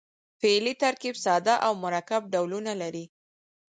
فعلي ترکیب ساده او مرکب ډولونه لري.